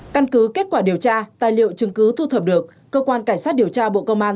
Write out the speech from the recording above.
căn cứ kết quả điều tra tài liệu chứng cứ thu thập được cơ quan cảnh sát điều tra bộ công an